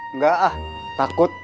enggak ah takut